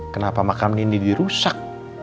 kenapa makam nindi dirusak